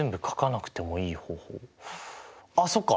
あっそうか！